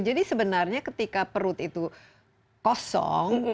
jadi sebenarnya ketika perut itu kosong